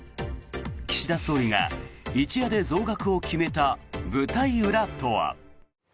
岸田総理が一夜で増額を決めた舞台裏とは。